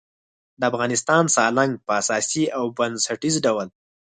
د افغانستان سالنګ په اساسي او بنسټیز ډول